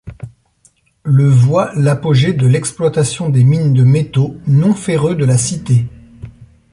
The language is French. Le voit l'apogée de l'exploitation des mines de métaux non ferreux de la cité.